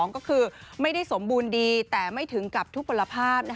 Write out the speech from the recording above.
ก็คือไม่ได้สมบูรณ์ดีแต่ไม่ถึงกับทุกผลภาพ